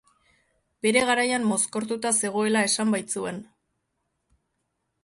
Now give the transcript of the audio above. Bere garaian mozkortuta zegoela esan baitzuten.